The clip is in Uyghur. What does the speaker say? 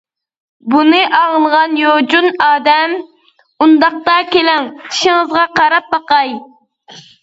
بۇنى ئاڭلىغان يوچۇن ئادەم:-ئۇنداقتا كېلىڭ چىشىڭىزغا قاراپ باقاي!